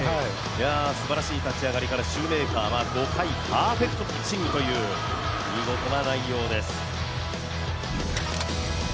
すばらしい立ち上がりからシューメーカーは５回、パーフェクトピッチングという、見事な内容です。